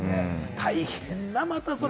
大変だ、またそれ。